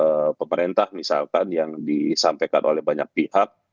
kepada pemerintah misalkan yang disampaikan oleh banyak pihak